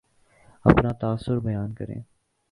اپنا تاثر بیان کریں